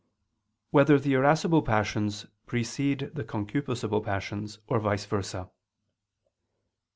1] Whether the Irascible Passions Precede the Concupiscible Passions, or Vice Versa?